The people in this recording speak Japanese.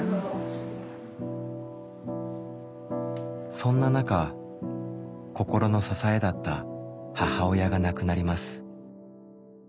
そんな中心の支えだった母親が亡くなります。